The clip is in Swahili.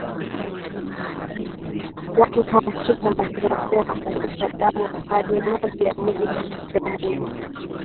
Watu huambukizwa ugonjwa huu kwa kugusa damu majimaji ya mwili na sehemu nyingine